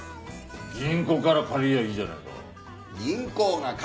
銀行から借りりゃいいじゃないか。